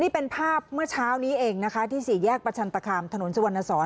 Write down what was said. นี่เป็นภาพเมื่อเช้านี้เองนะคะที่สี่แยกประชันตคามถนนสุวรรณสอน